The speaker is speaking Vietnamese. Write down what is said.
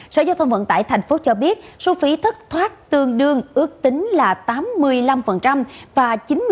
sở giao thông vận tải tp hcm cho biết số phí thất thoát tương đương ước tính là tám mươi năm và chín mươi